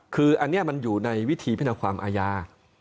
คืออันนี้มันอยู่ในวิธีพินาความอาญา